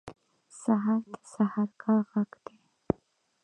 سهار د سحرګاه غږ دی.